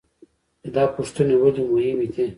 دا پوښتنې ولې مهمې دي؟